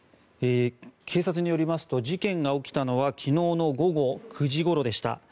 警察によりますと事件が起きたのは昨日の午後９時ごろでした。